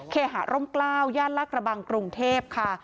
หาร่มกล้าวย่านลากระบังกรุงเทพค่ะ